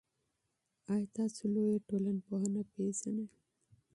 آیا تاسو لویه ټولنپوهنه پېژنئ؟